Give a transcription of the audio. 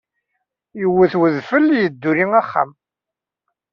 Yut udfel yedduri uxxam.